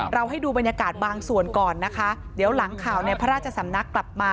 ให้ดูบรรยากาศบางส่วนก่อนนะคะเดี๋ยวหลังข่าวในพระราชสำนักกลับมา